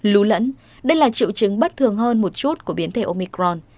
lún lẫn đây là triệu chứng bất thường hơn một chút của biến thể omicron